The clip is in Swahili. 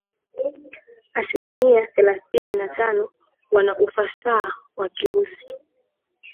asilimia themanini na tano wana ufasaha wa Kirusi